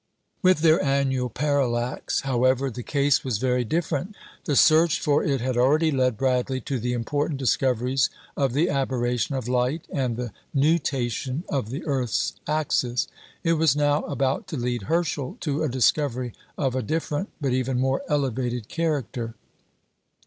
With their annual parallax, however, the case was very different. The search for it had already led Bradley to the important discoveries of the aberration of light and the nutation of the earth's axis; it was now about to lead Herschel to a discovery of a different, but even more elevated character.